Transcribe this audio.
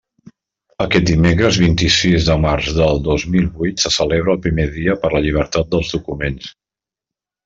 Aquest dimecres vint-i-sis de març del dos mil vuit se celebra el primer Dia per la Llibertat dels Documents.